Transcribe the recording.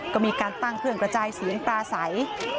ก็มีการตั้งเครื่องกระจายเสียงปลาใส